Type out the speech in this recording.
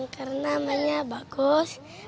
karena mainnya bagus